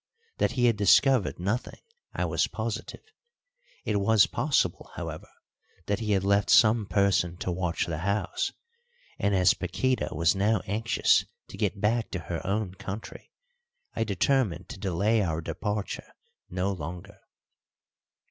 That he had discovered nothing I was positive; it was possible, however, that he had left some person to watch the house, and, as Paquíta was now anxious to get back to her own country, I determined to delay our departure no longer.